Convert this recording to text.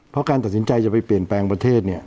เพราะการตัดสินใจจะไปเปลี่ยนแปลงประเทศเนี่ย